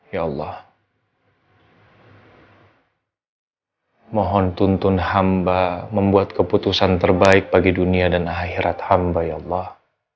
ya allah mohon tuntun hamba membuat keputusan terbaik bagi dunia dan akhirat hamba ya allah